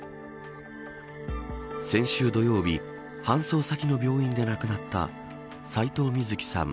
先週土曜日搬送先の病院で亡くなった斎藤瑞希さん